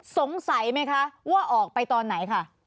สงสัยไหมคะว่าออกไปตอนไหนค่ะ